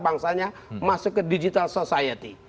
bangsanya masuk ke digital society